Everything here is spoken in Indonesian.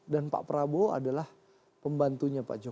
dan pak prabowo adalah pembantunya pak jokowi